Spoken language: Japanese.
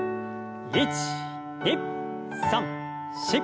１２３４。